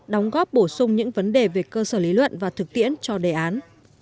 đóng góp bổ sung những vấn đề về cơ sở lý luận và thực tiễn cho đề án